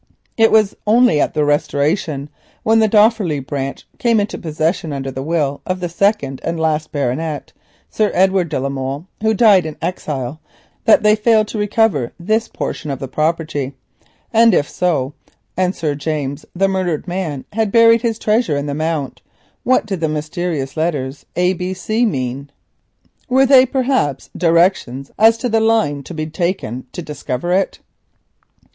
It was only at the Restoration, when the Dofferleigh branch came into possession under the will of the second and last baronet, Edward de la Molle, who died in exile, that they failed to recover this portion of the property. And if this was so, and Sir James, the murdered man, had buried his treasure in the mount, what did the mysterious letters A.B.C. mean? Were they, perhaps, directions as to the line to be taken to discover it?